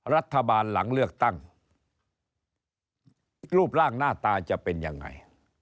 รัฐบาลหลังเลือกตั้งรูปร่างหน้าตาจะเป็นยังไง